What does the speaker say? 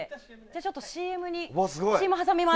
ちょっとＣＭ挟みます。